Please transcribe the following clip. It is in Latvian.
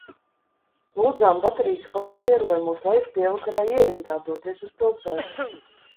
Lūdzām baterijas komandieri, lai mūs laiž pievakarē ierindā doties uz pilsētu.